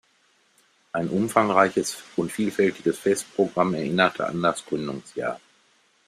Ein umfangreiches und vielfältiges Festprogramm erinnerte an das Gründungsjahr.